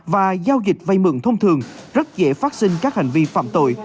và giao dịch vay mượn thông thường rất dễ phát sinh các hành vi phạm tội